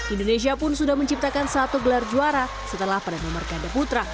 indonesia pun sudah menciptakan satu gelar juara setelah pada nomor ganda putra